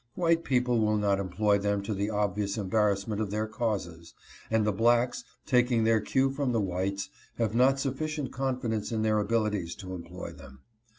White people will not employ them to the obvious embarrassment of their causes, and the blacks, taking their cue from the whites, have not sufficient confidence in their abilities to employ them.